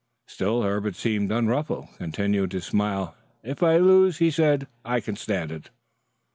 Still Herbert seemed unruffled, continuing to smile. "If I lose," he said, "I can stand it."